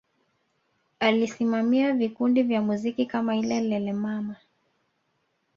Alisimamia vikundi vya muziki kama ile Lelemama